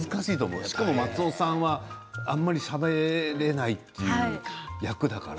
しかも松尾さんはあんまりしゃべれないという役だから。